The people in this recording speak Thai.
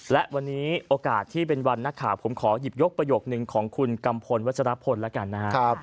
และวันนี้โอกาสที่เป็นวันนักข่าวผมขอหยิบยกประโยคนึงของคุณกัมพลวัชรพลแล้วกันนะครับ